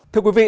thưa quý vị